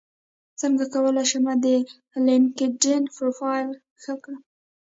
څنګه کولی شم د لینکیډن پروفایل ښه کړم